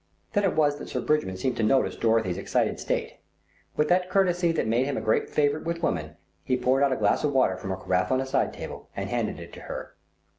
Then it was that Sir Bridgman seemed to notice Dorothy's excited state. With that courtesy that made him a great favourite with women, he poured out a glass of water from a carafe on a side table and handed it to her.